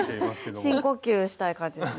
深呼吸したい感じです。